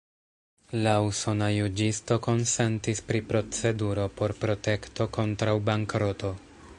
La usona juĝisto konsentis pri proceduro por protekto kontraŭ bankroto.